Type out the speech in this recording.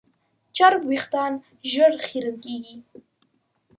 چرب وېښتيان ژر خیرن کېږي.